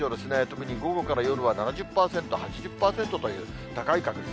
特に午後から夜は７０％、８０％という高い確率。